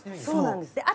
そうなんです。